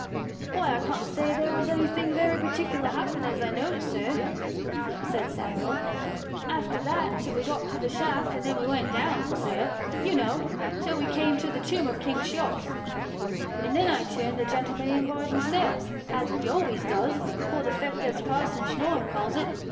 " Why I can't say there was any thing very particular happened, as I know of, Sir,*" said Samuel, " after that, till we got to the shaft, and then we went down, Sir, you know, till we came to the tomb of King Cheops; and then I turned the gentlemen in by themselves, as we always does, for the 'feet, as Parson Snorum calls it.